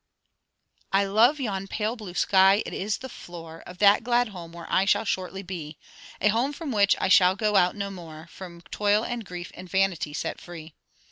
'I love yon pale blue sky; it is the floor Of that glad home where I shall shortly be; A home from which I shall go out no more, From toil and grief and vanity set free.